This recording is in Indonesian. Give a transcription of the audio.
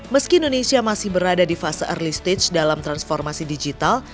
meski indonesia masih berada di fase early stage dalam transformasi digital